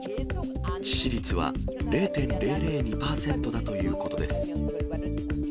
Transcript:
致死率は０．００２％だということです。